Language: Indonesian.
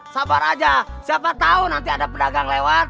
sabar aja siapa tahu nanti ada pedagang lewat